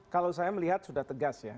kalau saya melihat sudah tegas ya